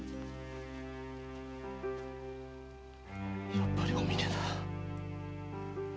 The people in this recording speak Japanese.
やっぱりお峰だ。